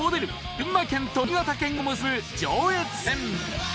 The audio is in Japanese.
群馬県と新潟県を結ぶ上越線。